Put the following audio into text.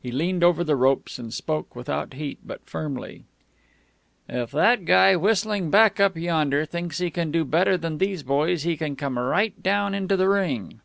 He leaned over the ropes, and spoke, without heat, but firmly: "If that guy whistling back up yonder thinks he can do better than these boys, he can come right down into the ring."